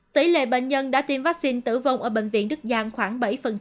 tỷ lệ bệnh nhân đã tiêm vaccine tử vong ở bệnh viện đức giang khoảng bảy